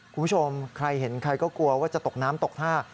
คุณผู้ชมใครเห็นใครก็กลัวว่าจะตกน้ำตกท่า